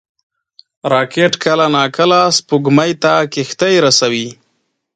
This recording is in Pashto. راکټ کله ناکله سپوږمۍ ته کښتۍ رسوي